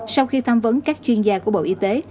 sau khi tham vấn các chuyên gia của bộ y tế